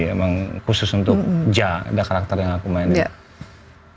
emang khusus untuk ja ada karakter yang aku mainin